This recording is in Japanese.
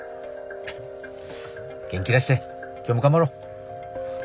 元気出して今日も頑張ろう。